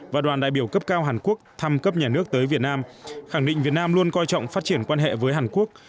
và đoàn đại biểu cấp cao hàn quốc thăm cấp nhà nước tới việt nam khẳng định việt nam luôn coi trọng phát triển quan hệ với hàn quốc